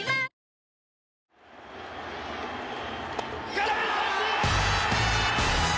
空振り三振！